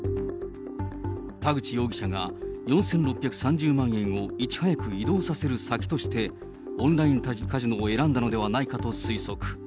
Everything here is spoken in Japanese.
田口容疑者が、４６３０万円をいち早く移動させる先として、オンラインカジノを選んだのではないかと推測。